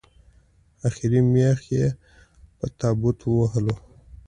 اخري مېخ یې په تابوت ووهلو